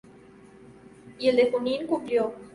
Y el de Junín, cumplió.